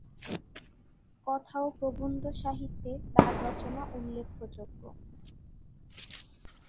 কথা ও প্রবন্ধ সাহিত্যে তার রচনা উল্লেখযোগ্য।